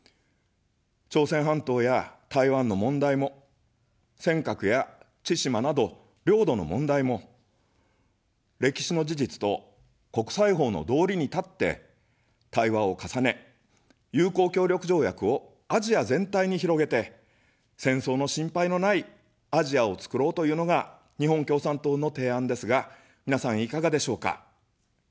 朝鮮半島や台湾の問題も、尖閣や千島など領土の問題も、歴史の事実と国際法の道理に立って、対話を重ね、友好協力条約をアジア全体に広げて、戦争の心配のないアジアをつくろうというのが日本共産党の提案ですが、みなさんいかがでしょうか。